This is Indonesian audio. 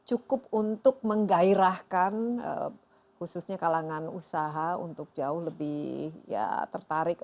cukup untuk menggairahkan khususnya kalangan usaha untuk jauh lebih ya tertarik